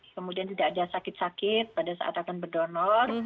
kemudian tidak ada sakit sakit pada saat akan berdonor